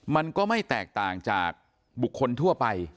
มันก็ไม่แตกต่างจากบุคคลทั่วไป